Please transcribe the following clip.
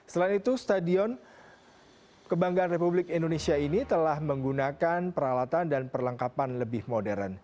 selain itu stadion kebanggaan republik indonesia ini telah menggunakan peralatan dan perlengkapan lebih modern